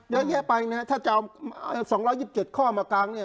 เยอะแยะไปนะฮะถ้าจะเอาสองร้อยยิบเจ็ดข้อมากลางเนี่ย